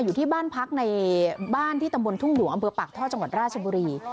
อยู่ที่บ้านพักในบ้านที่ตำบลทุ่งหลวงอำเภอปากท่อจังหวัดราชบุรี